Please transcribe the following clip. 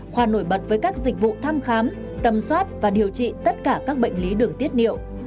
khoa nổi bật với các dịch vụ thăm khám tầm soát và điều trị tất cả các bệnh lý đường tiết niệu